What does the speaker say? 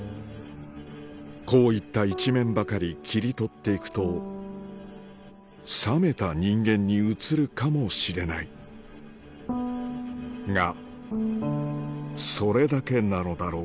こういった一面ばかり切り取って行くと冷めた人間に映るかもしれないがそれだけなのだろう